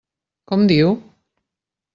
Com diu?